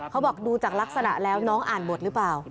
เขาบอกดูจากลักษณะแล้วน้องอ่านบทหรือเปล่า